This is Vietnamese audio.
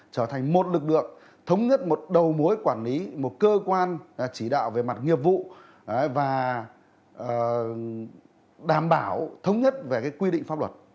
trở thành một lực lượng thống nhất một đầu mối quản lý một cơ quan chỉ đạo về mặt nghiệp vụ và đảm bảo thống nhất về quy định pháp luật